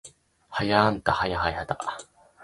はあんたはやはた